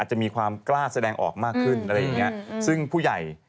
อาจจะมีความกล้าแสดงออกมากขึ้นซึ่งผู้ใหญ่